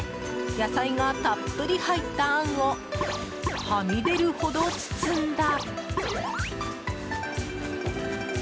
野菜がたっぷり入ったあんをはみ出るほど包んだ。